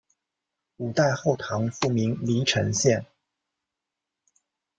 五代后唐复名黎城县。